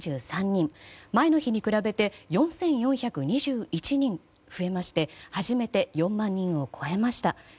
前の日に比べて４４２１人増えまして初めて４万人を超えました。